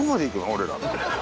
俺ら。